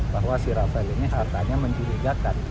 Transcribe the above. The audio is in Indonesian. bahwa si rafael ini hartanya mencurigakan